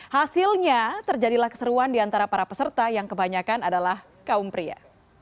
hasilnya terjadilah keseruan di antara para peserta yang kebanyakan adalah kaum pria